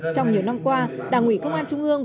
trong nhiều năm qua đảng ủy công an trung ương